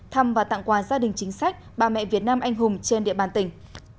thăm và tặng quà gia đình chính sách bà mẹ việt nam anh hùng trên địa bàn tỉnh